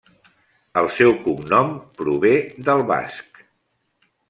El seu cognom prové del basc.